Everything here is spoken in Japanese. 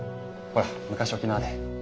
ほら昔沖縄で。